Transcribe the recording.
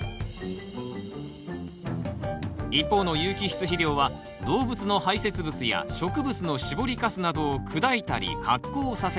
一方の有機質肥料は動物の排せつ物や植物の搾りかすなどを砕いたり発酵させたもの。